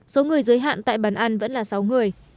số người giới hạn tại bàn ăn vẫn là sáu người